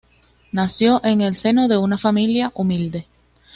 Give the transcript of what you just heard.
Nació en el seno de una familia humilde.